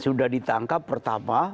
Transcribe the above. sudah ditangkap pertama